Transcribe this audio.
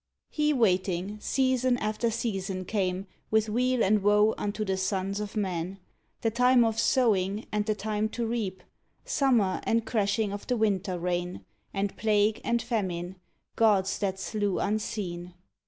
He waiting, season after season came With weal and woe unto the sons of men — The time of sowing and the time to reap, Summer, and crashing of the winter rain, And plague and famine, gods that slew unseen.